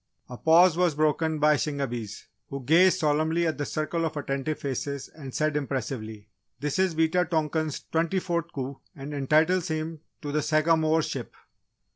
A pause was broken by Shingebis, who gazed solemnly at the circle of attentive faces and said impressively: "This is Wita tonkan's twenty fourth coup and entitles him to the Sagamore ship!"